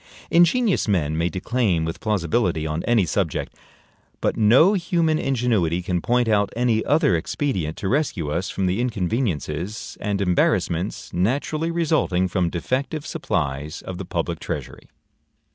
Ingenious men may declaim with plausibility on any subject; but no human ingenuity can point out any other expedient to rescue us from the inconveniences and embarrassments naturally resulting from defective supplies of the public treasury.